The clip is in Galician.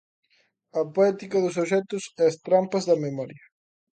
A poética dos obxectos e as trampas da memoria.